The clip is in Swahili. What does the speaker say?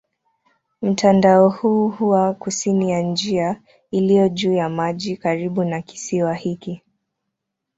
Mtandao huu huwa kusini ya njia iliyo juu ya maji karibu na kisiwa hiki.